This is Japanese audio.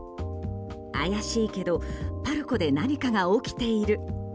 怪しいけどパルコで何かが起きている。